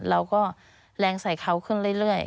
เราก็แรงใส่เขาขึ้นเรื่อย